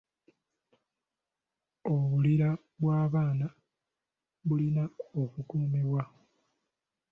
Obulira bw'abaana bulina okukuumibwa.